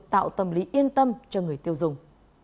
tạo tâm lý yên tâm cho người tiêu dùng